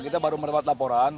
kita baru mendapat laporan